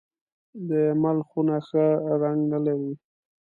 د اېمل خونه ښه رنګ نه لري .